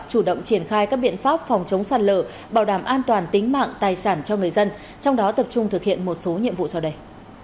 chủ động triển khai các biện pháp phòng chống sạt lở bảo đảm an toàn tính mạng tài sản cho người dân trong đó tập trung thực hiện một số nhiệm vụ sau đây